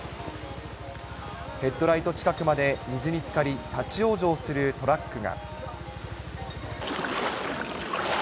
ヘッドライト近くまで水につかり、立往生するトラックが。